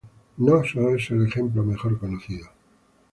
Cnosos es el ejemplo mejor conocido.